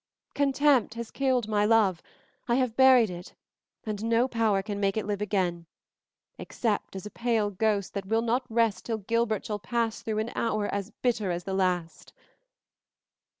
Contempt has killed my love, I have buried it, and no power can make it live again, except as a pale ghost that will not rest till Gilbert shall pass through an hour as bitter as the last."